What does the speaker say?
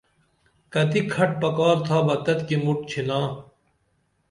کتی کھٹ پکار تھابہ تتِکی مُٹ چِھننا۔